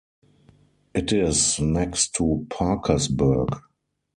It is next to Parkersburg.